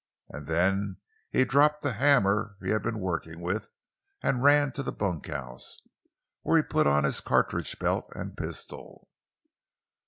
And then he dropped the hammer he had been working with and ran to the bunkhouse, where he put on his cartridge belt and pistol.